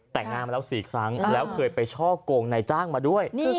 แต่งงานมาแล้ว๔ครั้งแล้วเคยไปช่อกงนายจ้างมาด้วย